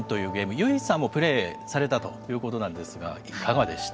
結さんもプレーされたということなんですがいかがでした？